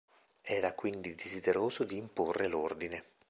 Era quindi desideroso di imporre l'ordine.